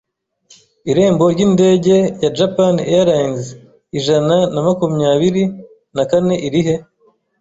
Irembo ryindege ya Japan Airlines ijana na makumyabiri nakane irihe?